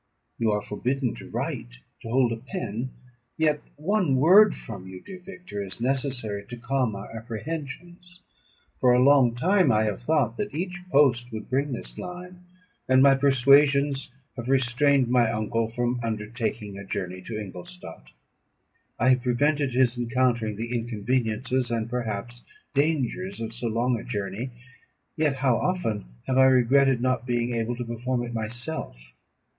You are forbidden to write to hold a pen; yet one word from you, dear Victor, is necessary to calm our apprehensions. For a long time I have thought that each post would bring this line, and my persuasions have restrained my uncle from undertaking a journey to Ingolstadt. I have prevented his encountering the inconveniences and perhaps dangers of so long a journey; yet how often have I regretted not being able to perform it myself!